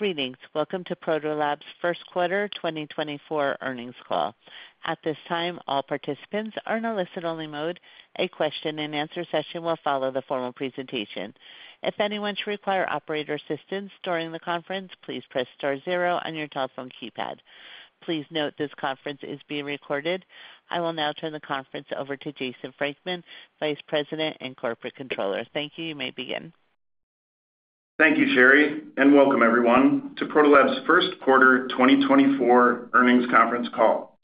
Greetings! Welcome to Protolabs' Q1 2024 Earnings Call. At this time, all participants are in a listen-only mode. A question-and-answer session will follow the formal presentation. If anyone should require operator assistance during the conference, please press star zero on your telephone keypad. Please note this conference is being recorded. I will now turn the conference over to Jason Frankman, Vice President and Corporate Controller. Thank you. You may begin. Thank you, Sherry, and welcome everyone to Protolabs' Q1 2024 Earnings Conference Call.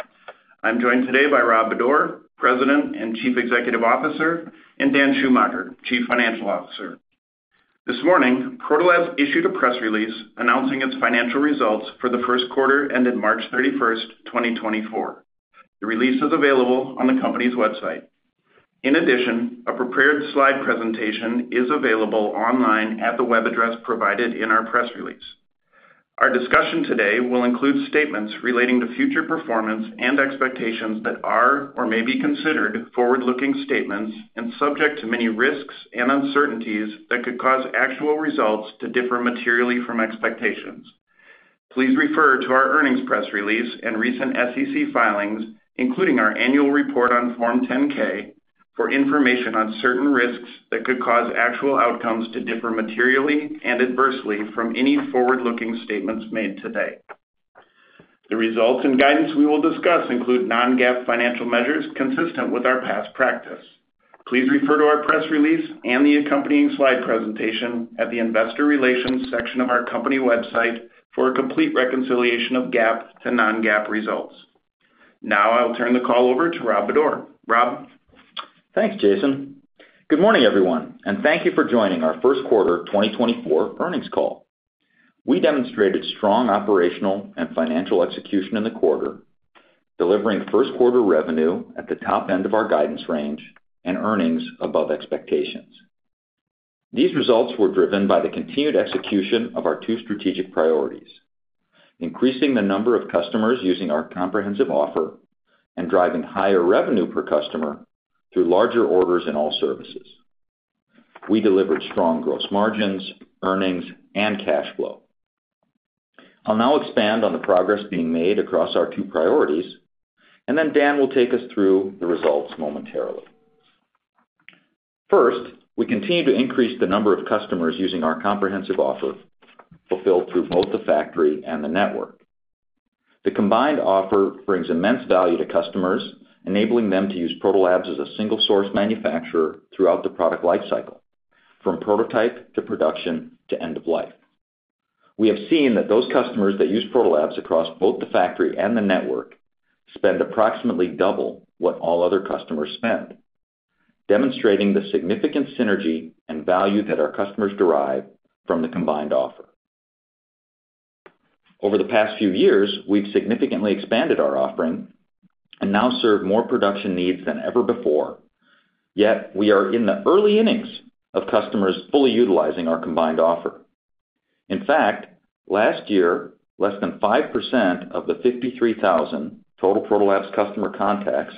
I'm joined today by Rob Bodor, President and Chief Executive Officer, and Dan Schumacher, Chief Financial Officer. This morning, Protolabs issued a press release announcing its financial results for the Q1 ended March 31, 2024. The release is available on the company's website. In addition, a prepared slide presentation is available online at the web address provided in our press release. Our discussion today will include statements relating to future performance and expectations that are or may be considered forward-looking statements and subject to many risks and uncertainties that could cause actual results to differ materially from expectations. Please refer to our earnings press release and recent SEC filings, including our annual report on Form 10-K, for information on certain risks that could cause actual outcomes to differ materially and adversely from any forward-looking statements made today. The results and guidance we will discuss include non-GAAP financial measures consistent with our past practice. Please refer to our press release and the accompanying slide presentation at the investor relations section of our company website for a complete reconciliation of GAAP to non-GAAP results. Now I will turn the call over to Rob Bodor. Rob? Thanks, Jason. Good morning, everyone, and thank you for joining our Q1 2024 Earnings Call. We demonstrated strong operational and financial execution in the quarter, delivering Q1 revenue at the top end of our guidance range and earnings above expectations. These results were driven by the continued execution of our two strategic priorities: increasing the number of customers using our comprehensive offer and driving higher revenue per customer through larger orders in all services. We delivered strong gross margins, earnings, and cash flow. I'll now expand on the progress being made across our two priorities, and then Dan will take us through the results momentarily. First, we continue to increase the number of customers using our comprehensive offer, fulfilled through both the factory and the network. The combined offer brings immense value to customers, enabling them to use Protolabs as a single-source manufacturer throughout the product lifecycle, from prototype to production to end of life. We have seen that those customers that use Protolabs across both the factory and the network spend approximately double what all other customers spend, demonstrating the significant synergy and value that our customers derive from the combined offer. Over the past few years, we've significantly expanded our offering and now serve more production needs than ever before, yet we are in the early innings of customers fully utilizing our combined offer. In fact, last year, less than 5% of the 53,000 total Protolabs customer contacts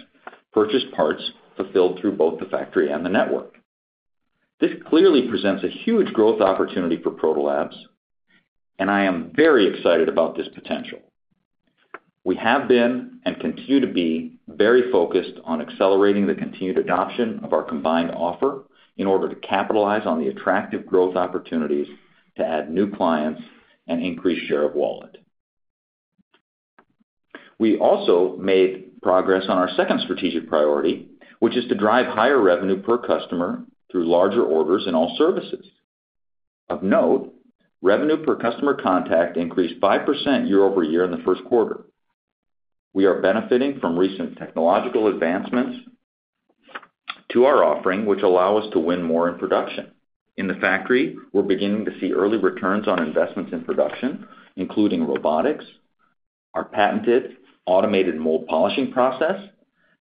purchased parts fulfilled through both the factory and the network. This clearly presents a huge growth opportunity for Protolabs, and I am very excited about this potential. We have been, and continue to be, very focused on accelerating the continued adoption of our combined offer in order to capitalize on the attractive growth opportunities to add new clients and increase share of wallet. We also made progress on our second strategic priority, which is to drive higher revenue per customer through larger orders in all services. Of note, revenue per customer contact increased 5% year-over-year in the Q1. We are benefiting from recent technological advancements to our offering, which allow us to win more in production. In the factory, we're beginning to see early returns on investments in production, including robotics, our patented automated mold polishing process,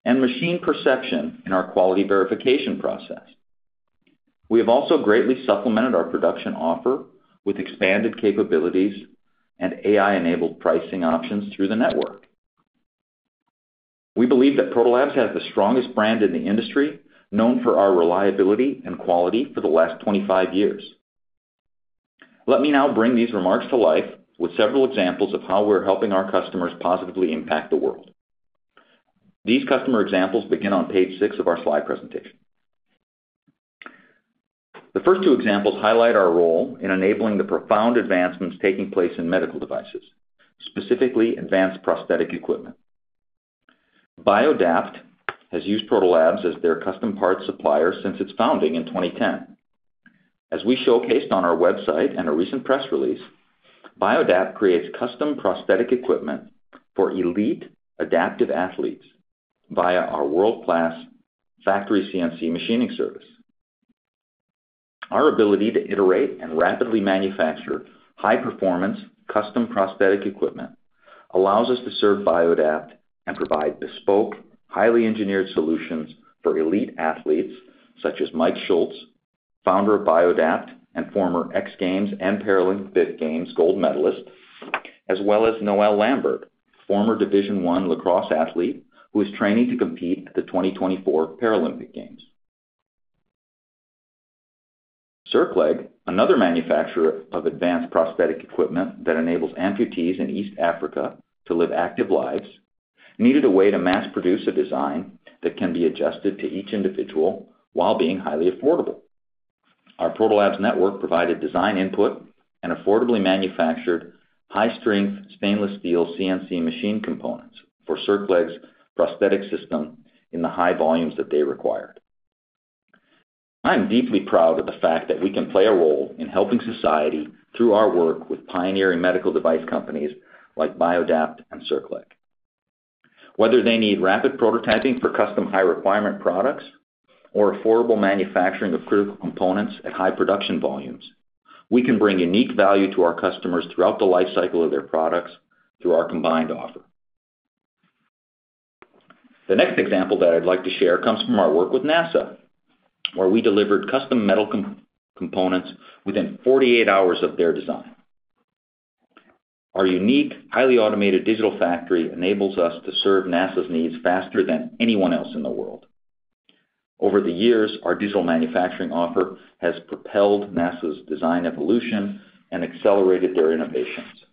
and machine perception in our quality verification process. We have also greatly supplemented our production offer with expanded capabilities and AI-enabled pricing options through the network. We believe that Protolabs has the strongest brand in the industry, known for our reliability and quality for the last 25 years. Let me now bring these remarks to life with several examples of how we're helping our customers positively impact the world. These customer examples begin on page 6 of our slide presentation. The first two examples highlight our role in enabling the profound advancements taking place in medical devices, specifically advanced prosthetic equipment. BioDapt has used Protolabs as their custom parts supplier since its founding in 2010. As we showcased on our website and a recent press release, BioDapt creates custom prosthetic equipment for elite adaptive athletes via our world-class factory CNC machining service. Our ability to iterate and rapidly manufacture high-performance, custom prosthetic equipment allows us to serve BioDapt and provide bespoke, highly engineered solutions for elite athletes such as Mike Schultz, founder of BioDapt and former X Games and Paralympic Games gold medalist, as well as Noelle Lambert, former Division I lacrosse athlete, who is training to compete at the 2024 Paralympic Games. Circleg, another manufacturer of advanced prosthetic equipment that enables amputees in East Africa to live active lives, needed a way to mass produce a design that can be adjusted to each individual while being highly affordable. Our Protolabs Network provided design input and affordably manufactured high-strength stainless steel CNC machine components for Circleg's prosthetic system in the high volumes that they required. I'm deeply proud of the fact that we can play a role in helping society through our work with pioneering medical device companies like BioDapt and Circleg. Whether they need rapid prototyping for custom high requirement products or affordable manufacturing of critical components at high production volumes, we can bring unique value to our customers throughout the life cycle of their products through our combined offer. The next example that I'd like to share comes from our work with NASA, where we delivered custom metal components within 48 hours of their design. Our unique, highly automated digital factory enables us to serve NASA's needs faster than anyone else in the world. Over the years, our digital manufacturing offer has propelled NASA's design evolution and accelerated their innovations.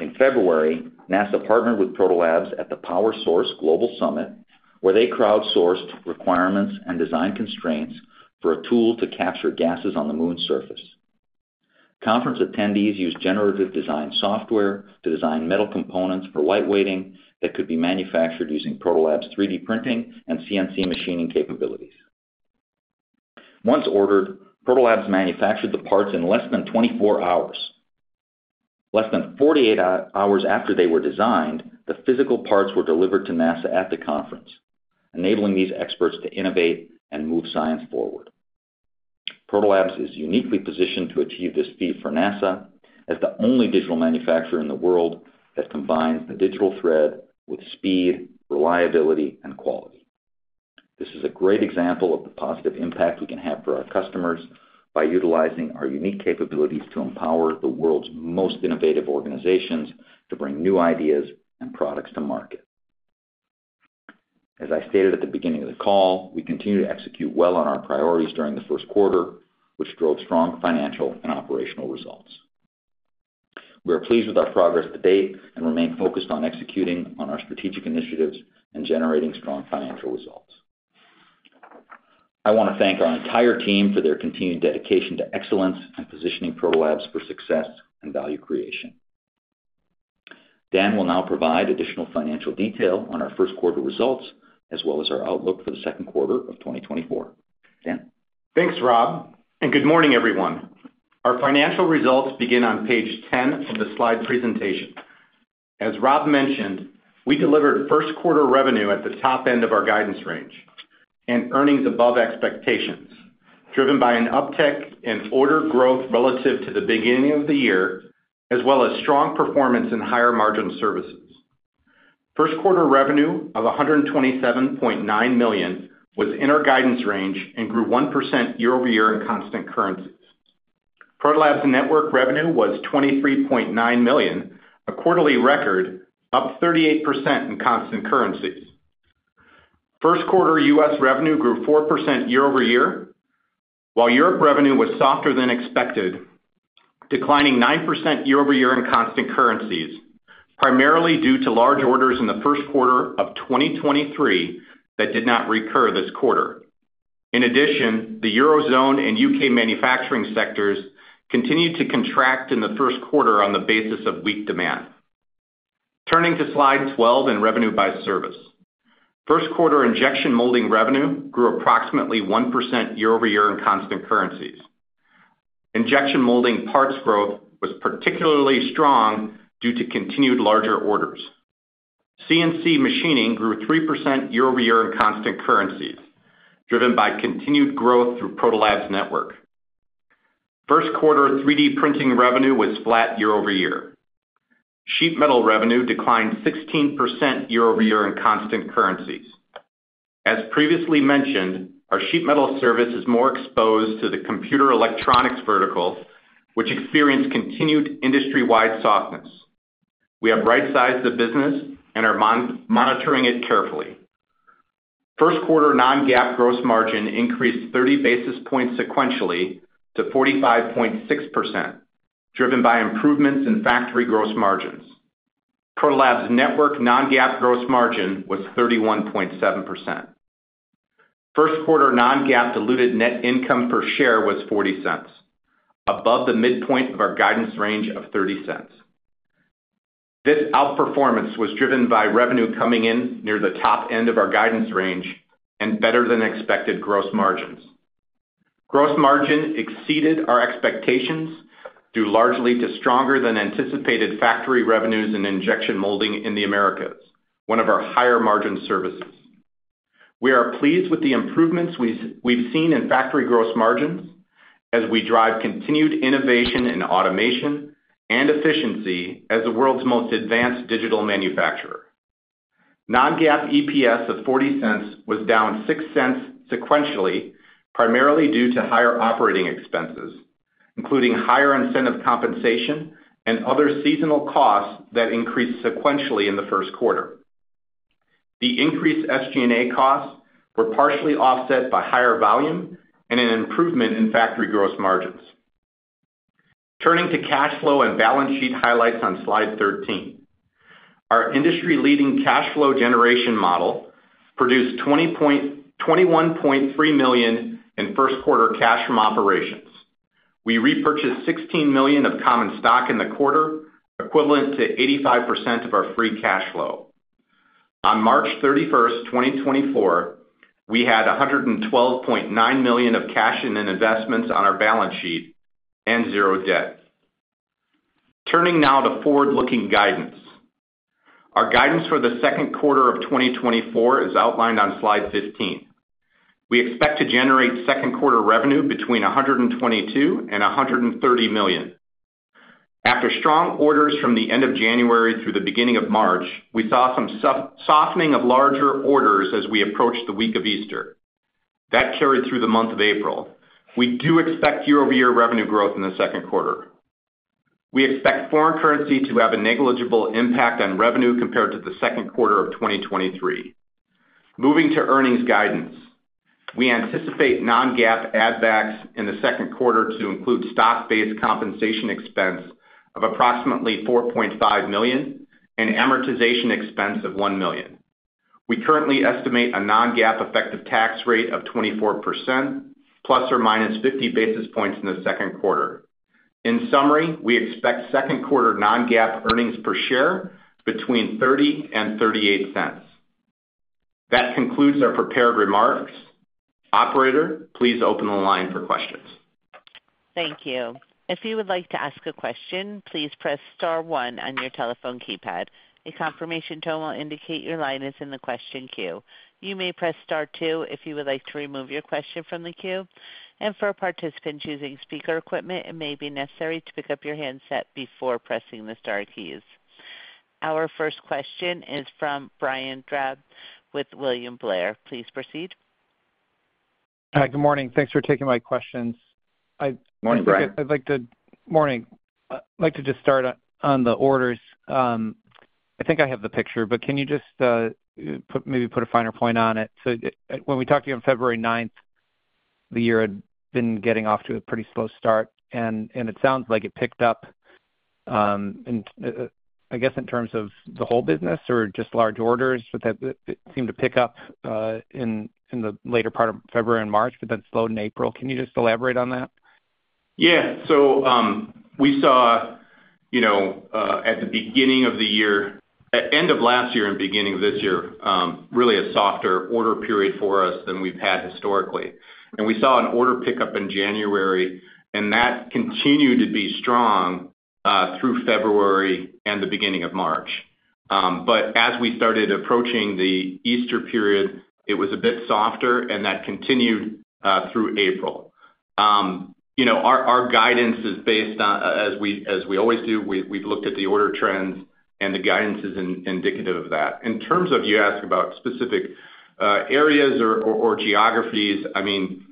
In February, NASA partnered with Protolabs at the Power Source Global Summit, where they crowdsourced requirements and design constraints for a tool to capture gases on the moon's surface. Conference attendees used generative design software to design metal components for lightweighting that could be manufactured using Protolabs 3D printing and CNC machining capabilities. Once ordered, Protolabs manufactured the parts in less than 24 hours. Less than 48 hours after they were designed, the physical parts were delivered to NASA at the conference, enabling these experts to innovate and move science forward. Protolabs is uniquely positioned to achieve this feat for NASA as the only digital manufacturer in the world that combines the digital thread with speed, reliability, and quality. This is a great example of the positive impact we can have for our customers by utilizing our unique capabilities to empower the world's most innovative organizations to bring new ideas and products to market. As I stated at the beginning of the call, we continue to execute well on our priorities during the Q1, which drove strong financial and operational results. We are pleased with our progress to date and remain focused on executing on our strategic initiatives and generating strong financial results. I want to thank our entire team for their continued dedication to excellence and positioning Protolabs for success and value creation. Dan will now provide additional financial detail on our Q1 results, as well as our outlook for the Q2 of 2024. Dan? Thanks, Rob, and good morning, everyone. Our financial results begin on page 10 of the slide presentation. As Rob mentioned, we delivered Q1 revenue at the top end of our guidance range and earnings above expectations, driven by an uptick in order growth relative to the beginning of the year, as well as strong performance in higher margin services. Q1 revenue of $127.9 million was in our guidance range and grew 1% year-over-year in constant currencies. Protolabs Network revenue was $23.9 million, a quarterly record, up 38% in constant currencies. Q1 U.S. revenue grew 4% year-over-year, while Europe revenue was softer than expected, declining 9% year-over-year in constant currencies, primarily due to large orders in the Q1 of 2023 that did not recur this quarter. In addition, the Eurozone and UK manufacturing sectors continued to contract in the Q1 on the basis of weak demand. Turning to Slide 12 in revenue by service. Q1 Injection Molding revenue grew approximately 1% year-over-year in constant currencies. Injection Molding parts growth was particularly strong due to continued larger orders. CNC Machining grew 3% year-over-year in constant currencies, driven by continued growth through Protolabs Network. Q1 3D Printing revenue was flat year-over-year. Sheet Metal revenue declined 16% year-over-year in constant currencies. As previously mentioned, our Sheet Metal service is more exposed to the computer electronics vertical, which experienced continued industry-wide softness. We have right-sized the business and are monitoring it carefully. Q1 non-GAAP gross margin increased 30 basis points sequentially to 45.6%, driven by improvements in factory gross margins. Protolabs Network non-GAAP gross margin was 31.7%. Q1 non-GAAP diluted net income per share was $0.40, above the midpoint of our guidance range of $0.30. This outperformance was driven by revenue coming in near the top end of our guidance range and better than expected gross margins. Gross margin exceeded our expectations, due largely to stronger than anticipated factory revenues and Injection Molding in the Americas, one of our higher margin services. We are pleased with the improvements we've seen in factory gross margins as we drive continued innovation in automation and efficiency as the world's most advanced digital manufacturer. Non-GAAP EPS of $0.40 was down $0.06 sequentially, primarily due to higher operating expenses, including higher incentive compensation and other seasonal costs that increased sequentially in the Q1. The increased SG&A costs were partially offset by higher volume and an improvement in factory gross margins. Turning to cash flow and balance sheet highlights on Slide 13. Our industry-leading cash flow generation model produced $21.3 million in Q1 cash from operations. We repurchased $16 million of common stock in the quarter, equivalent to 85% of our free cash flow. On March 31, 2024, we had $112.9 million of cash in investments on our balance sheet and 0 debt. Turning now to forward-looking guidance. Our guidance for the Q2 of 2024 is outlined on Slide 15. We expect to generate Q2 revenue between $122 million and $130 million. After strong orders from the end of January through the beginning of March, we saw some softening of larger orders as we approached the week of Easter. That carried through the month of April. We do expect year-over-year revenue growth in the Q2. We expect foreign currency to have a negligible impact on revenue compared to the Q2 of 2023. Moving to earnings guidance. We anticipate non-GAAP add backs in the Q2 to include stock-based compensation expense of approximately $4.5 million and amortization expense of $1 million. We currently estimate a non-GAAP effective tax rate of 24%, ±50 basis points in the Q2. In summary, we expect Q2 non-GAAP earnings per share between $0.30 and $0.38. That concludes our prepared remarks. Operator, please open the line for questions. Thank you. If you would like to ask a question, please press star one on your telephone keypad. A confirmation tone will indicate your line is in the question queue. You may press star two if you would like to remove your question from the queue, and for a participant using speaker equipment, it may be necessary to pick up your handset before pressing the star keys. Our first question is from Brian Drab with William Blair. Please proceed. Hi, good morning. Thanks for taking my questions. Morning, Brian. Morning. I'd like to just start on the orders. I think I have the picture, but can you just put maybe a finer point on it? So when we talked to you on February ninth, the year had been getting off to a pretty slow start, and it sounds like it picked up, and I guess in terms of the whole business or just large orders, but that it seemed to pick up in the later part of February and March, but then slowed in April. Can you just elaborate on that? Yeah. So, we saw, you know, at the beginning of the year... at end of last year and beginning of this year, really a softer order period for us than we've had historically. And we saw an order pickup in January, and that continued to be strong through February and the beginning of March. But as we started approaching the Easter period, it was a bit softer, and that continued through April. You know, our guidance is based on, as we always do, we've looked at the order trends, and the guidance is indicative of that. In terms of you asking about specific areas or geographies, I mean,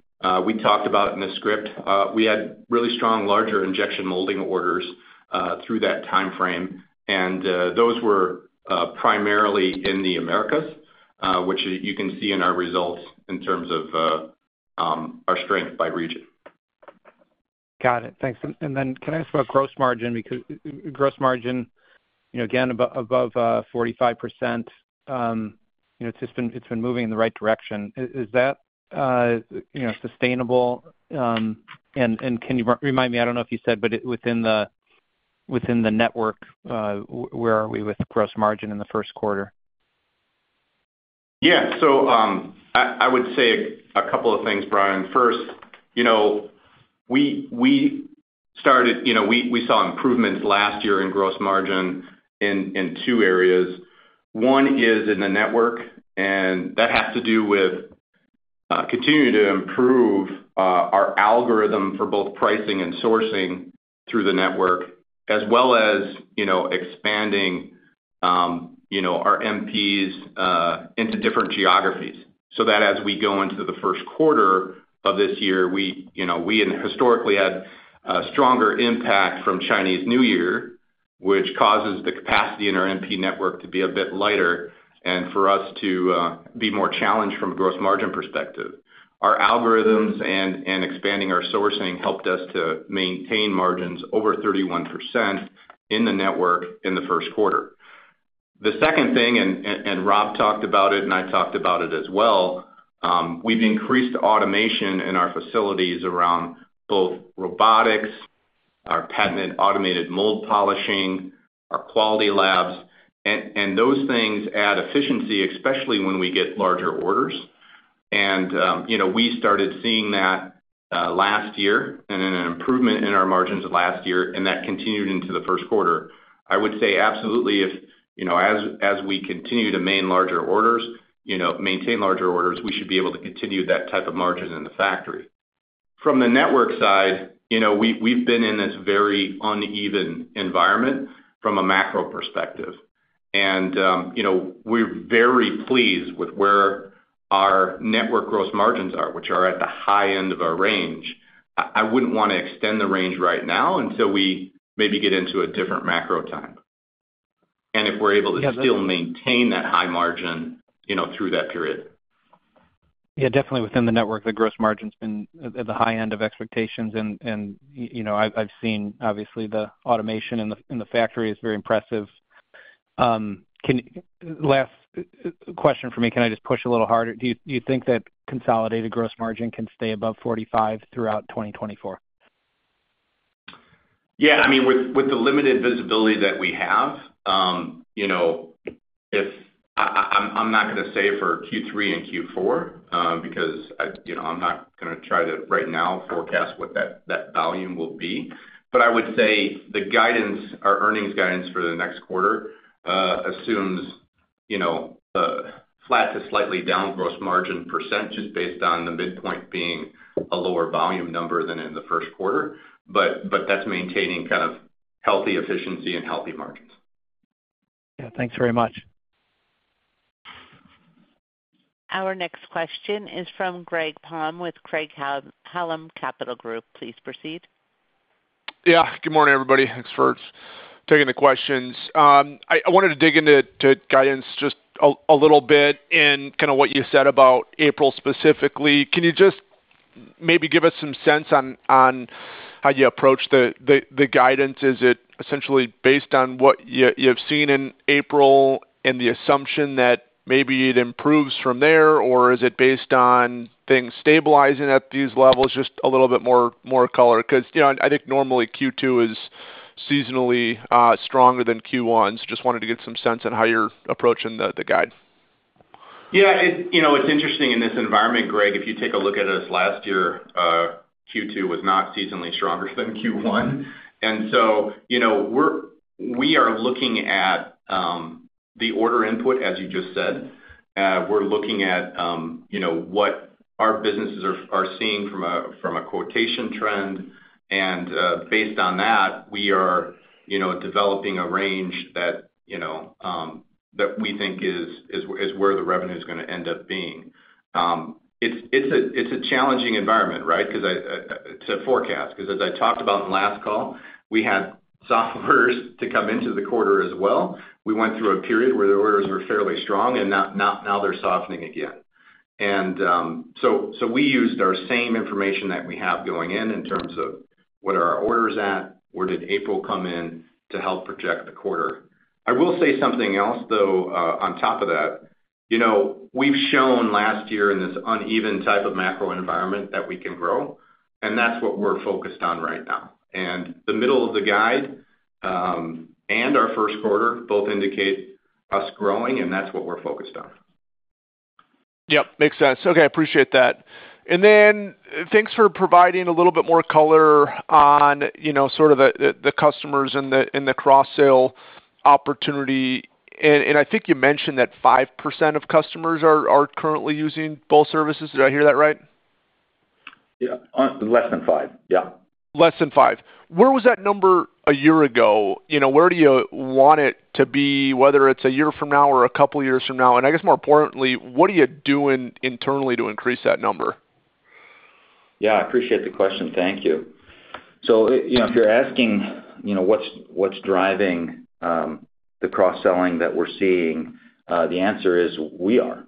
we talked about in the script, we had really strong larger injection molding orders through that timeframe. Those were primarily in the Americas, which you can see in our results in terms of our strength by region. Got it. Thanks. And then can I ask about gross margin? Because gross margin, you know, again, above 45%, you know, it's just been moving in the right direction. Is that, you know, sustainable? And can you remind me, I don't know if you said, but within the network, where are we with gross margin in the Q1? Yeah. So, I would say a couple of things, Brian. First, you know, we started... You know, we saw improvements last year in gross margin in two areas. One is in the network, and that has to do with continuing to improve our algorithm for both pricing and sourcing through the network, as well as, you know, expanding our MPs into different geographies. So that as we go into the Q1 of this year, we had historically had a stronger impact from Chinese New Year, which causes the capacity in our MP network to be a bit lighter, and for us to be more challenged from a gross margin perspective. Our algorithms and expanding our sourcing helped us to maintain margins over 31% in the network in the Q1. The second thing, Rob talked about it, and I talked about it as well, we've increased automation in our facilities around both robotics, our patented Automated Mold Polishing, our quality labs, and those things add efficiency, especially when we get larger orders. You know, we started seeing that last year and an improvement in our margins last year, and that continued into the Q1. I would say absolutely if, you know, as we continue to maintain larger orders, you know, we should be able to continue that type of margins in the factory. From the network side, you know, we've been in this very uneven environment from a macro perspective, and you know, we're very pleased with where our network gross margins are, which are at the high end of our range. I wouldn't want to extend the range right now until we maybe get into a different macro time. And if we're able to still maintain that high margin, you know, through that period. Yeah, definitely within the network, the gross margin's been at the high end of expectations, and you know, I've seen obviously, the automation in the factory is very impressive. Last question for me, can I just push a little harder? Do you think that consolidated gross margin can stay above 45% throughout 2024? Yeah. I mean, with the limited visibility that we have, you know, if I'm not gonna say for Q3 and Q4, because I, you know, I'm not gonna try to, right now, forecast what that volume will be. But I would say the guidance, our earnings guidance for the next quarter, assumes, you know, flat to slightly down gross margin %, just based on the midpoint being a lower volume number than in the Q1. But that's maintaining kind of healthy efficiency and healthy margins. Yeah. Thanks very much. Our next question is from Greg Palm with Craig-Hallum Capital Group. Please proceed. Yeah. Good morning, everybody. Thanks for taking the questions. I wanted to dig into to guidance just a little bit in kind of what you said about April, specifically. Can you just maybe give us some sense on how you approach the guidance? Is it essentially based on what you've seen in April, and the assumption that maybe it improves from there, or is it based on things stabilizing at these levels? Just a little bit more color, 'cause, you know, I think normally Q2 is seasonally stronger than Q1. Just wanted to get some sense on how you're approaching the guide. Yeah, you know, it's interesting in this environment, Greg, if you take a look at us last year, Q2 was not seasonally stronger than Q1. And so, you know, we are looking at the order input, as you just said. We're looking at, you know, what our businesses are seeing from a quotation trend, and based on that, we are, you know, developing a range that, you know, that we think is where the revenue is gonna end up being. It's a challenging environment, right? Because to forecast, because as I talked about in the last call, we had softness to come into the quarter as well. We went through a period where the orders were fairly strong, and now they're softening again. So we used our same information that we have going in, in terms of what are our orders at, where did April come in to help project the quarter. I will say something else, though, on top of that. You know, we've shown last year in this uneven type of macro environment that we can grow, and that's what we're focused on right now. The middle of the guide and our Q1 both indicate us growing, and that's what we're focused on. Yep, makes sense. Okay, I appreciate that. And then, thanks for providing a little bit more color on, you know, sort of the, the, the customers and the, and the cross-sale opportunity. And, and I think you mentioned that 5% of customers are, are currently using both services. Did I hear that right? Yeah, less than five, yeah. Less than five. Where was that number a year ago? You know, where do you want it to be, whether it's a year from now or a couple of years from now? And I guess more importantly, what are you doing internally to increase that number? Yeah, I appreciate the question. Thank you. So, you know, if you're asking, you know, what's driving the cross-selling that we're seeing, the answer is, we are.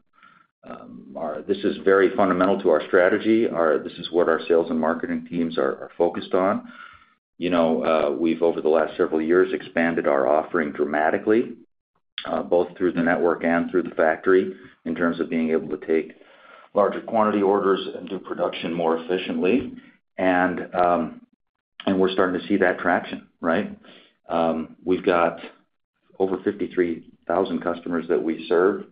This is very fundamental to our strategy. This is what our sales and marketing teams are focused on. You know, we've, over the last several years, expanded our offering dramatically, both through the network and through the factory, in terms of being able to take larger quantity orders and do production more efficiently. And we're starting to see that traction, right? We've got over 53,000 customers that we serve,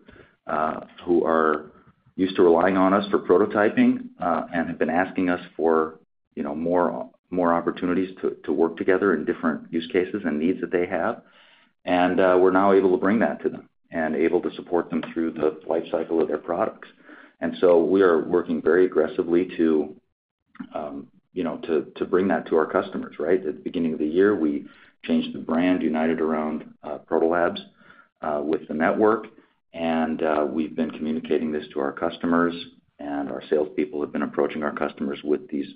who are used to relying on us for prototyping, and have been asking us for, you know, more opportunities to work together in different use cases and needs that they have. We're now able to bring that to them and able to support them through the life cycle of their products. So we are working very aggressively to, you know, to bring that to our customers, right? At the beginning of the year, we changed the brand, united around Protolabs with the network, and we've been communicating this to our customers, and our salespeople have been approaching our customers with these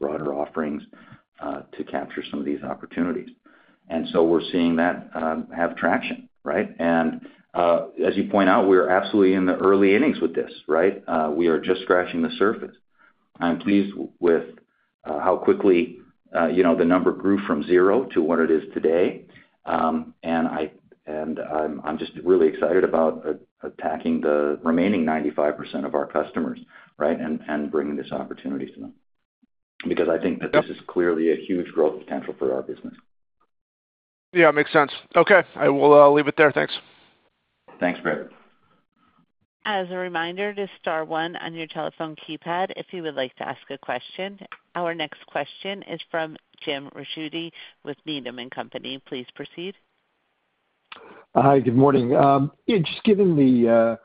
broader offerings to capture some of these opportunities. So we're seeing that have traction, right? As you point out, we're absolutely in the early innings with this, right? We are just scratching the surface. I'm pleased with how quickly, you know, the number grew from zero to what it is today. And I'm just really excited about attacking the remaining 95% of our customers, right, and bringing this opportunity to them. Because I think that this is clearly a huge growth potential for our business. Yeah, makes sense. Okay, I will leave it there. Thanks. Thanks, Greg. As a reminder, just star one on your telephone keypad, if you would like to ask a question. Our next question is from Jim Ricchiuti with Needham & Company. Please proceed. Hi, good morning. Yeah, just given the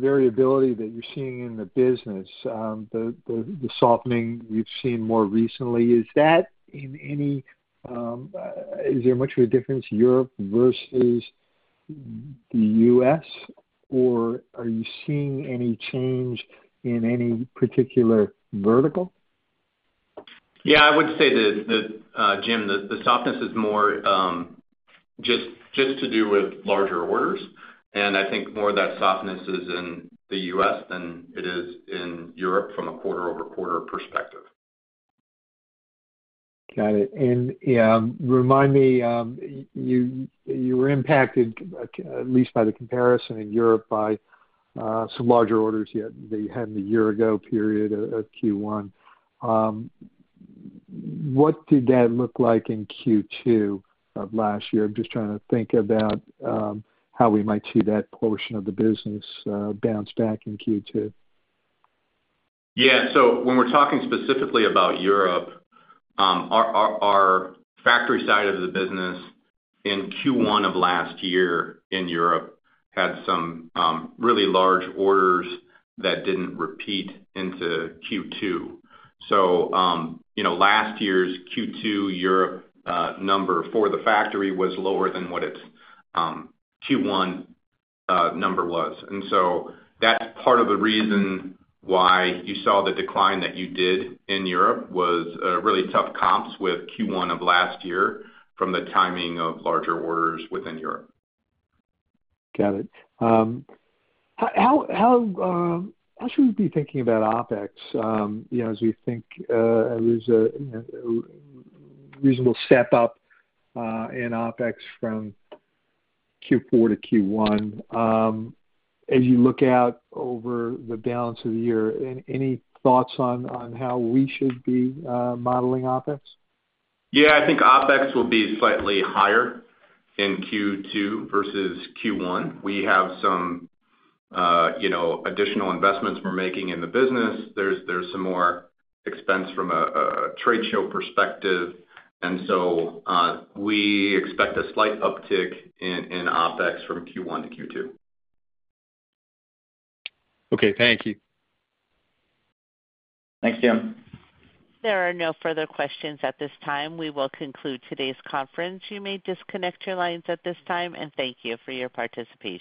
variability that you're seeing in the business, the softening you've seen more recently, is there much of a difference, Europe versus the U.S., or are you seeing any change in any particular vertical?... Yeah, I would say that, Jim, the softness is more just to do with larger orders, and I think more of that softness is in the U.S. than it is in Europe from a quarter-over-quarter perspective. Got it. Yeah, remind me, you were impacted, at least by the comparison in Europe, by some larger orders you had, that you had in the year ago period of Q1. What did that look like in Q2 of last year? I'm just trying to think about how we might see that portion of the business bounce back in Q2. Yeah. So when we're talking specifically about Europe, our factory side of the business in Q1 of last year in Europe had some really large orders that didn't repeat into Q2. So, you know, last year's Q2 Europe number for the factory was lower than what its Q1 number was. And so that's part of the reason why you saw the decline that you did in Europe was really tough comps with Q1 of last year from the timing of larger orders within Europe. Got it. How should we be thinking about OpEx? You know, as we think, there's a you know, reasonable step up in OpEx from Q4 to Q1. As you look out over the balance of the year, any thoughts on how we should be modeling OpEx? Yeah, I think OpEx will be slightly higher in Q2 versus Q1. We have some, you know, additional investments we're making in the business. There's some more expense from a trade show perspective. And so, we expect a slight uptick in OpEx from Q1 to Q2. Okay. Thank you. Thanks, Jim. There are no further questions at this time. We will conclude today's conference. You may disconnect your lines at this time, and thank you for your participation.